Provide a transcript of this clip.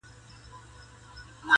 • بیا ویشتلی د چا سترګو مستانه یې..